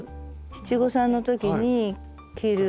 七五三の時に着る。